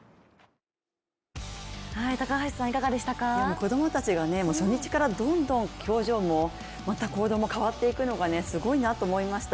子供たちが初日からどんどん表情も、また行動も変わっていくのがすごいなと思いました。